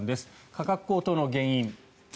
価格高騰の原因。